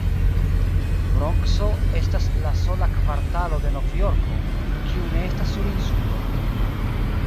Bronkso estas la sola kvartalo de Novjorko, kiu ne estas sur insulo.